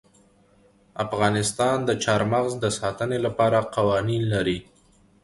افغانستان د چار مغز د ساتنې لپاره قوانین لري.